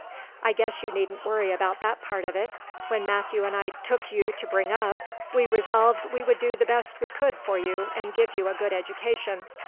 "I guess you needn't worry about that part of it. When Matthew and I took you to bring up we resolved we would do the best we could for you and give you a good education.